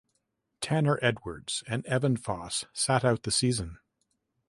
Tanner Edwards and Evan Foss sat out the season.